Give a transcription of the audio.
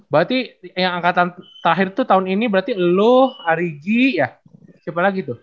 berarti yang angkatan terakhir tahun ini berarti lu ari g ya siapa lagi tuh